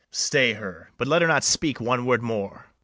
Stay her, but let her not speak one word more.